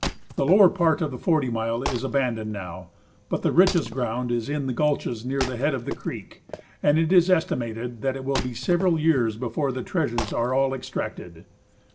The lower part of the Forty Mile is abandoned now, but the richest ground is in the gulches near the head of the creek, and it is estimated that it will be several years before their treasured are all extracted.